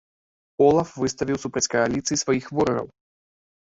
Олаф выступіў супраць кааліцыі сваіх ворагаў.